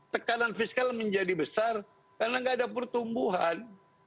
tekanan fiskal menjadi besar karena nggak ada pertumbuhan